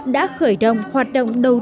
đã khởi động hoạt động đầu tiên